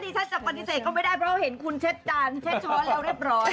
ถ้าดิฉันจะปฏิเสธก็ไม่ได้เพราะเห็นคุณเช็ดช้อนแล้วเรียบร้อย